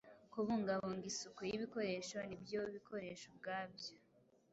kubungabunga isuku y’ibikoresho n’ibyo bikoresho ubwabyo.